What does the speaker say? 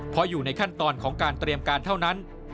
เพราะอยู่ในขั้นตอนของการเตรียมการเท่านั้น